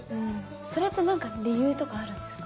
それって何か理由とかあるんですか？